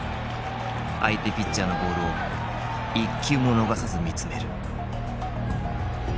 相手ピッチャーのボールを一球も逃さず見つめる。